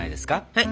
はい。